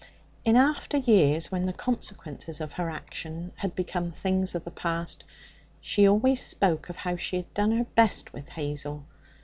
In after years, when the consequences of her action had become things of the past, she always spoke of how she had done her best with Hazel.